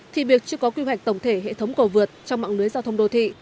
thì việc chưa có quy hoạch tổng thể hệ thống cầu vượt trong mạng lưới giao thông đô thị